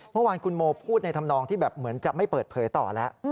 เมื่อวานคุณโมพูดในธรรมนองที่แบบเหมือนจะไม่เปิดเผยต่อแล้ว